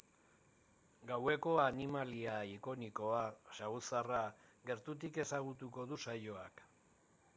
Gaueko animalia ikonikoa, saguzarra, gertutik ezagutuko du saioak.